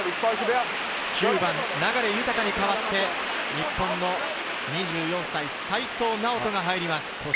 ９番・流大に代わって、日本の２４歳、齋藤直人が入ります。